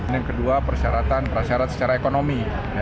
yang kedua persyaratan prasyarat secara ekonomi